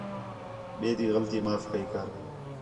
ٻئے تی غلطی معاف کَئی کر